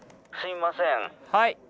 はい。